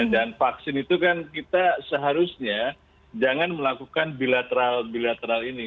dan vaksin itu kan kita seharusnya jangan melakukan bilateral bilateral ini